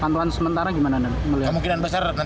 kemungkinan besar nanti keluarnya di andeman